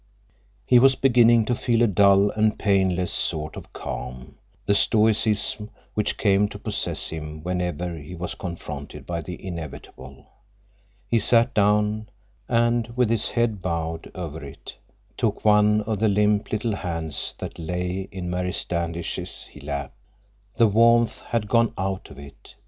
He was beginning to feel a dull and painless sort of calm, the stoicism which came to possess him whenever he was confronted by the inevitable. He sat down, and with his head bowed over it took one of the limp, little hands that lay in Mary Standish's lap. The warmth had gone out of it.